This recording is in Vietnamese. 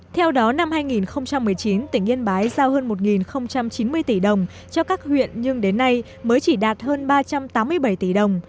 theo đó năm hai nghìn một mươi chín tỉnh yên bái giao hơn một chín mươi tỷ đồng cho các huyện nhưng đến nay mới chỉ đạt hơn ba trăm tám mươi bảy tỷ đồng